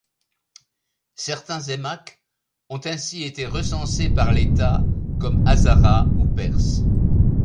Certains Aimak ont ainsi été recensés par l’État comme Hazaras ou Perses.